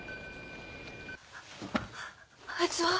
あいつは？